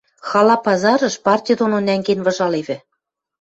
хала пазарыш партьы доно нӓнген выжалевӹ.